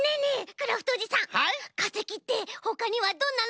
クラフトおじさんかせきってほかにはどんなのがあるの？